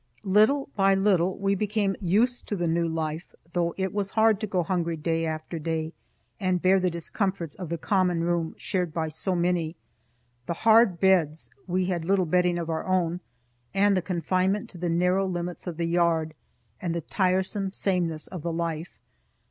Little by little we became used to the new life, though it was hard to go hungry day after day, and bear the discomforts of the common room, shared by so many; the hard beds (we had little bedding of our own), and the confinement to the narrow limits of the yard, and the tiresome sameness of the life.